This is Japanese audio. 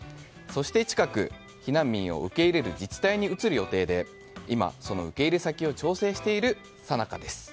そして近く、避難民を受け入れる自治体に移る予定で今、その受け入れ先を調整しているさなかです。